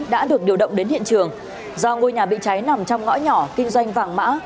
đã được điều động đến hiện trường do ngôi nhà bị cháy nằm trong ngõ nhỏ kinh doanh vàng mã